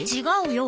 違う！